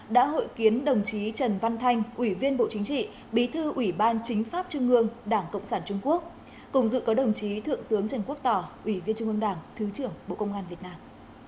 đã hội kiến đồng chí trần văn thanh ủy viên bộ chính trị bí thư ủy ban chính pháp trung ương đảng cộng sản trung quốc cùng dự có đồng chí thượng tướng trần quốc tỏ ủy viên trung ương đảng thứ trưởng bộ công an việt nam